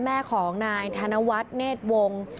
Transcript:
แม่ของนายธนวัฒน์เนธวงศ์